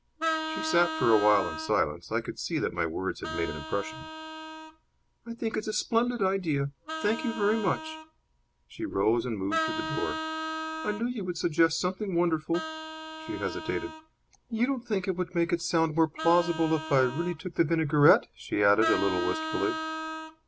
She sat for a while in silence. I could see that my words had made an impression. "I think it's a splendid idea. Thank you very much." She rose and moved to the door. "I knew you would suggest something wonderful." She hesitated. "You don't think it would make it sound more plausible if I really took the vinaigrette?" she added, a little wistfully.